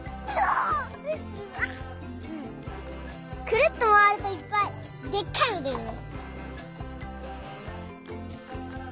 くるっとまわるといっぱいでっかいのでるね。